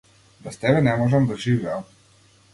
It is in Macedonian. Без тебе не можам да живеам.